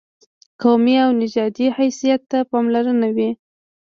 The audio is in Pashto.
قومي او نژادي حیثیت ته پاملرنه وي.